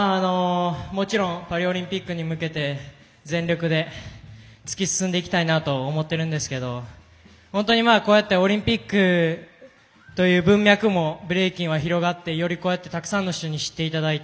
もちろんパリオリンピックに向けて全力で突き進んでいきたいなと思ってるんですけど本当にこうやってオリンピックという文脈もブレイキンは広がってよりたくさんの人に知っていただいて。